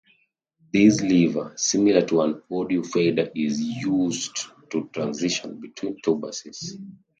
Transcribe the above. This lever, similar to an audio fader, is used to transition between two buses.